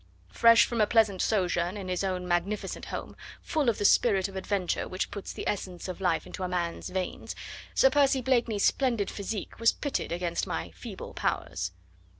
Fresh from a pleasant sojourn in his own magnificent home, full of the spirit of adventure which puts the essence of life into a man's veins, Sir Percy Blakeney's splendid physique was pitted against my feeble powers.